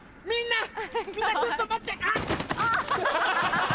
みんな！